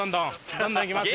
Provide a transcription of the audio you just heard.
どんどん行きますよ！